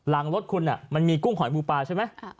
หลังรถคุณมันมีกุ้งหอยหมูปลาใช่ไหม